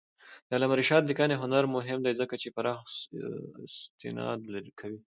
د علامه رشاد لیکنی هنر مهم دی ځکه چې پراخ استناد کوي.